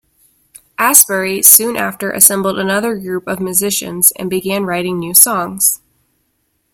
Astbury soon after assembled another group of musicians and began writing new songs.